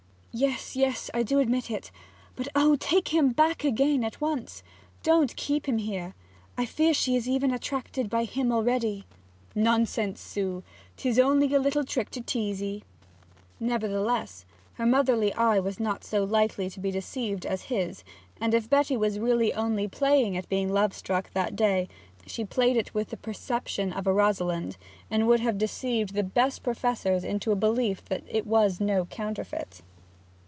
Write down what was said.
'Yes, yes; I do admit it. But oh! do take him back again at once! Don't keep him here! I fear she is even attracted by him already.' 'Nonsense, Sue. 'Tis only a little trick to tease 'ee!' Nevertheless her motherly eye was not so likely to be deceived as his, and if Betty were really only playing at being love struck that day, she played at it with the perfection of a Rosalind, and would have deceived the best professors into a belief that it was no counterfeit.